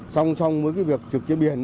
song song với việc trực trên biển